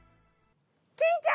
金ちゃん！